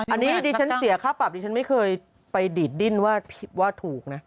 อันนี้ดิฉันเสียค่าปรับดิฉันไม่เคยไปดีดดิ้นว่าถูกนะ